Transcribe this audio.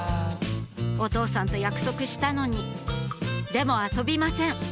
お父さんと約束したのにでも遊びません